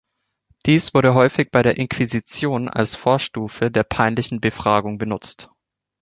Dies wurde häufig bei der Inquisition als Vorstufe der peinlichen Befragung benutzt.